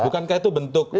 bukankah itu bentuk